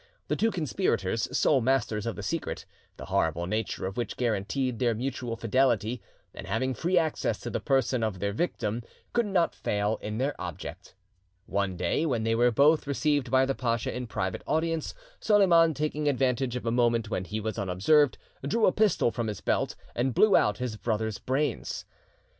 The two conspirators, sole masters of the secret, the horrible nature of which guaranteed their mutual fidelity, and having free access to the person of their victim; could not fail in their object. One day, when they were both received by the pacha in private audience, Soliman, taking advantage of a moment when he was unobserved, drew a pistol from his belt and blew out his brother's brains.